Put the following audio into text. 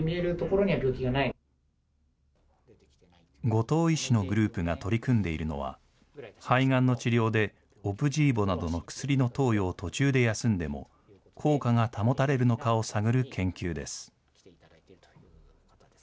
後藤医師のグループが取り組んでいるのは、肺がんの治療で、オプジーボなどの薬の投与を途中で休んでも、効果が保たれるのかを探る研究です。